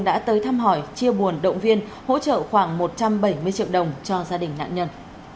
đã tới thăm hỏi chia buồn động viên hỗ trợ khoảng một trăm bảy mươi triệu đồng cho gia đình nạn nhân